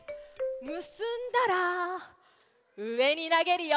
むすんだらうえになげるよ！